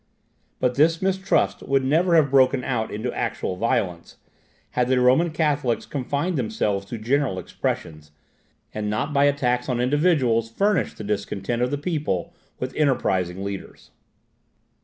But this mistrust would never have broken out into actual violence, had the Roman Catholics confined themselves to general expressions, and not by attacks on individuals furnished the discontent of the people with enterprising leaders.